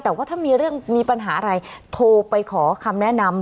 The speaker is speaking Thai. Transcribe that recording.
แต่ว่าถ้ามีเรื่องมีปัญหาอะไรโทรไปขอคำแนะนำ